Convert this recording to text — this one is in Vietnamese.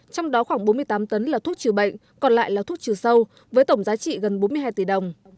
trong đó khoảng bốn mươi tám tấn là thuốc trừ bệnh còn lại là thuốc trừ sâu với tổng giá trị gần bốn mươi hai tỷ đồng